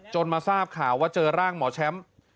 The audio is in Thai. มาทราบข่าวว่าเจอร่างหมอแชมป์